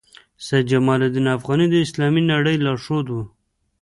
سید جمال الدین افغاني د اسلامي نړۍ لارښود وو.